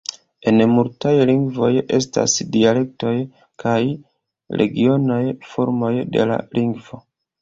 En multaj lingvoj estas dialektoj kaj regionaj formoj de la lingvo.